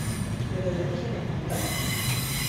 ¿ pero de origen español?